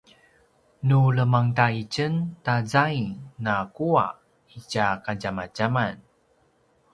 nu lemangda itjen ta zaing na kuwa itja kadjamadjaman